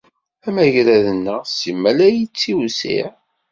Ameɣrad-nneɣ simal la yettiwsiɛ.